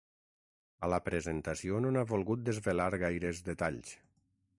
A la presentació no n’ha volgut desvelar gaires detalls.